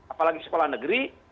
apalagi sekolah negeri